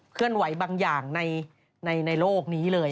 เคลื่อนไหวบางอย่างในโลกนี้เลย